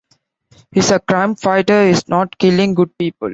He's a crime fighter, he's not killing good people.